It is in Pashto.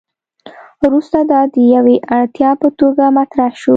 وروسته دا د یوې اړتیا په توګه مطرح شو.